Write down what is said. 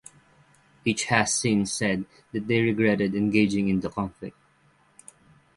Each has since said that they regretted engaging in the conflict.